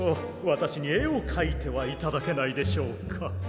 わたしにえをかいてはいただけないでしょうか？